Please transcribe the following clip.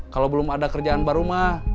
kalau belum ada kerjaan barumah